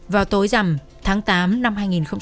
vào tối dầm tháng tám năm hai nghìn một mươi bốn